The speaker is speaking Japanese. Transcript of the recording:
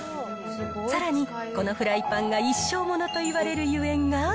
さらに、このフライパンが一生ものといわれるゆえんが。